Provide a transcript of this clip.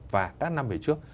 và các năm về trước